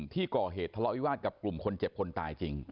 ที่ก่อเหตุทะเลาะวิวาสกับกลุ่มคนเจ็บคนตายจริง